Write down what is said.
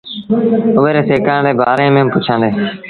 اُئي ري سِکآڻ ري بآري ميݩ پُڇيآندي۔